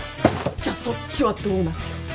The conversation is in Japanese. じゃあそっちはどうなのよ？